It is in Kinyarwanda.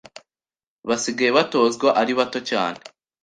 Basigaye batozwa ari bato cyane